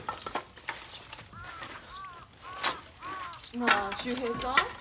なあ秀平さん。